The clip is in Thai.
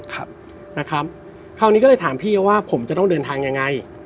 คราวนี้ก็เลยถามพี่ว่าผมจะต้องเดินทางยังไง